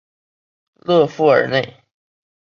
勒富尔内。